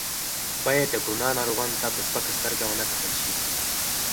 باید د کرونا ناروغانو ته په سپکه سترګه ونه کتل شي.